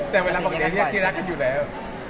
แต่เวลาของแกเรียกพี่รักกันอยู่แล้ว